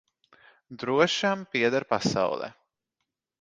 Drošam pieder pasaule.